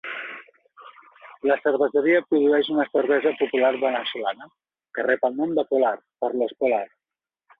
La cerveseria produeix una cervesa popular veneçolana, que rep el nom de Polar per l'os polar.